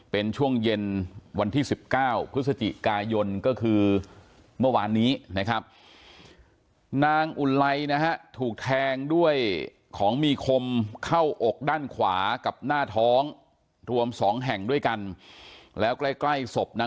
เป็นช่วงเย็นวันที่สิบเก้าพฤศจิกายนก็คือเมื่อวานนี้นะครับ